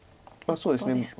そうですね。